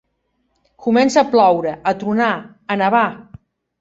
Començar a ploure, a tronar, a nevar.